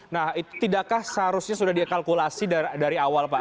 nah itu tidakkah seharusnya sudah dikalkulasi dari awal pak